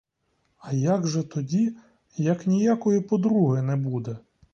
А як же тоді, як ніякої подруги не буде?